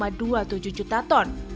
atau tujuh enam juta ton